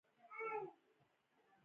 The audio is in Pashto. • د سهار راختونکې لمر د ژوند انرژي ده.